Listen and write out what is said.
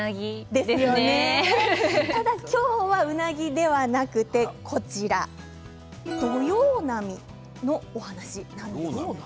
でも今日はうなぎではなくて土用波の話なんです。